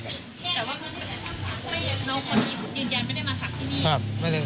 แต่ว่าน้องคนนี้ยืนยันไม่ได้มาศักดิ์ที่นี่